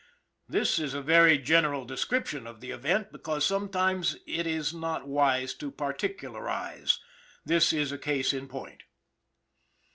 This is a very general description of the event, because sometimes it is not wise to particularize this is a case in point.